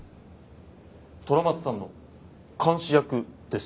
虎松さんの監視役？です。